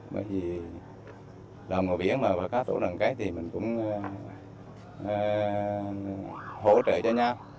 bởi vì đồng bộ biển và các tổ đoàn kết thì mình cũng hỗ trợ cho nhau